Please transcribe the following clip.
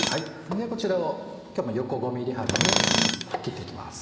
こちらを今日は横５ｍｍ幅に切って行きます。